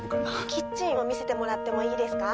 キッチンを見せてもらってもいいですか？